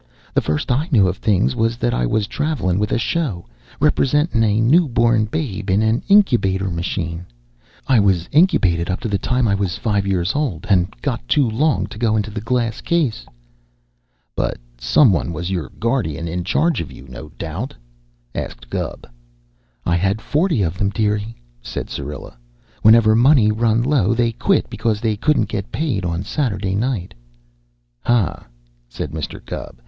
The first I knew of things was that I was travelin' with a show, representin' a newborn babe in an incubator machine. I was incubated up to the time I was five years old, and got too long to go in the glass case." "But some one was your guardian in charge of you, no doubt?" asked Gubb. "I had forty of them, dearie," said Syrilla. "Whenever money run low, they quit because they couldn't get paid on Saturday night." "Hah!" said Mr. Gubb.